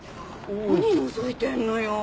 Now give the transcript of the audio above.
何のぞいてんのよ！